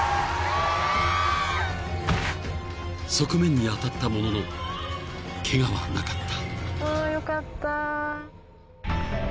［側面に当たったもののケガはなかった］